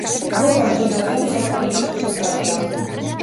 მურმან ჯინორია მხატვრული კითხვის ოსტატია.